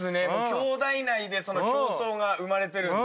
きょうだい内で競争が生まれてるんで。